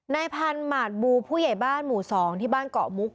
นายพันธุ์หมาดบูผู้ใหญ่บ้านหมู่๒ที่บ้านเกาะมุก